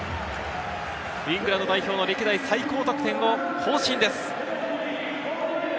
イングランド代表の歴代最高得点を更新です。